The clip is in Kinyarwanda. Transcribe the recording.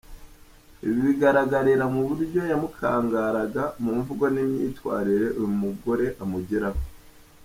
Ibi bigaragarira mu buryo yamukangaraga mu mvugo n’imyitwarire uyu mugore amugiraho.